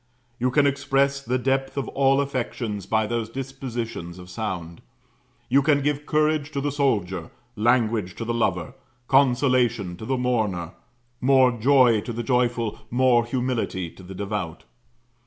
You can express the depth of all affections by those dispositions of sound: you can give courage to the soldier, language to the lover, consolation to the mourner, more joy to the joyful, more humility to the devout.